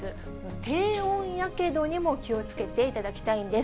低温やけどにも気をつけていただきたいんです。